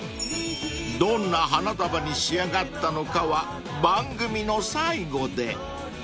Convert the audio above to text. ［どんな花束に仕上がったのかは番組の最後で］